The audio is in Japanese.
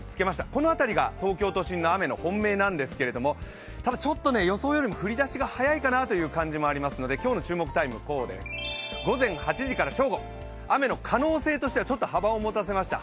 この辺りが東京都心の雨の本命なんですけどただちょっとね、予想よりも降り出しが早いかなということで今日の注目タイム、午前８時から正午、雨の可能性としてはちょっと幅を持たせました。